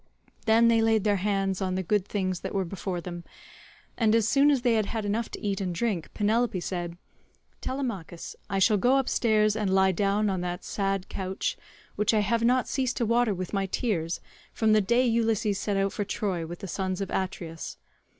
Then they laid their hands on the good things that were before them, and as soon as they had had enough to eat and drink Penelope said: "Telemachus, I shall go upstairs and lie down on that sad couch, which I have not ceased to water with my tears, from the day Ulysses set out for Troy with the sons of Atreus.